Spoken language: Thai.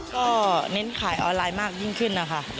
ก็เน้นขายออนไลน์มากยิ่งขึ้นนะคะ